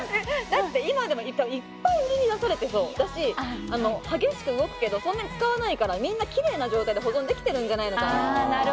だって今でも、いっぱい売りに出されてそうだし、激しく動くけど、そんなに使わないから、みんなキレイな状態で保存できてるんじゃないかなと。